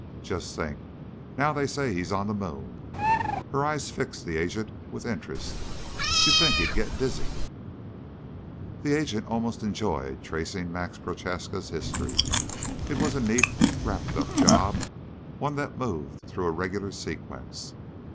"Just think, now they say he's on the moon." Her eyes fixed the agent with interest "You'd think he'd get dizzy." The agent almost enjoyed tracing Max Prochaska's history, it was a neat, wrapped up job, one that moved through a regular sequence.